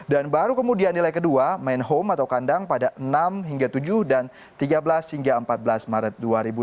dan baru kemudian nilai kedua main home atau kandang pada enam hingga tujuh dan tiga belas hingga empat belas maret dua ribu delapan belas